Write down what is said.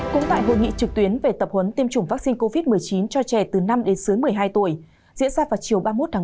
cũng tại hội nghị trực tuyến về tập huấn tiêm chủng vaccine covid một mươi chín cho trẻ từ năm đến dưới một mươi hai tuổi diễn ra vào chiều ba mươi một tháng một mươi